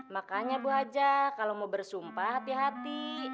makanya bu hajah kalau mau bersumpah hati hati